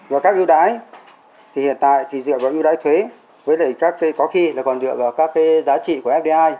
và các ưu đái thì hiện tại thì dựa vào ưu đái thuế với lại các cái có khi là còn dựa vào các cái giá trị của fdi